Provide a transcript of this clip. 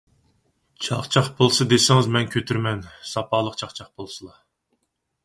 چاقچاق بولسا دېسىڭىز مەن كۆتۈرىمەن، ساپالىق چاقچاق بولسىلا!